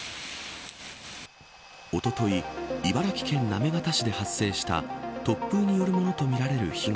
おととい茨城県行方市で発生した突風によるものとみられる被害。